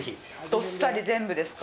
どっさり全部ですか？